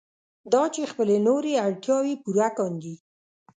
دا چې خپلې نورې اړتیاوې پوره کاندي.